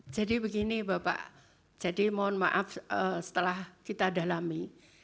jadi begini bapak jadi mohon maaf setelah kita dalami